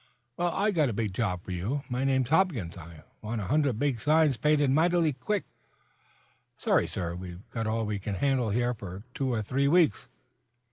"Well, I've got a big job for you. My name's Hopkins. I want a hundred big signs painted mighty quick." "Sorry, sir; we've got all we can handle here for two or three weeks."